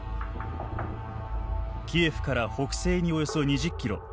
キエフから北西におよそ２０ｋｍ。